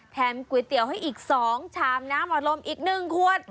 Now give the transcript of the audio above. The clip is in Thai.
แถมก๋วยเตี๋ยวให้อีก๒ชามน้ำอัดลมอีก๑ขวด